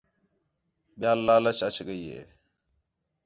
ٻِیال لالچ اَچ ڳئی ہِے